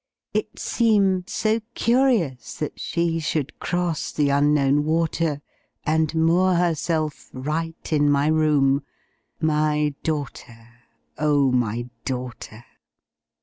It seemed so curious that she Should cross the Unknown water, And moor herself right in my room, My daughter, O my daughter!